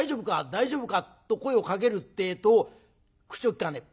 大丈夫か？』と声をかけるってえと口をきかねえ。